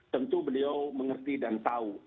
tentu beliau mengerti dan tahu